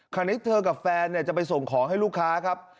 คราวนี้เธอกับแฟนจะไปส่งของให้ลูกค้าครับ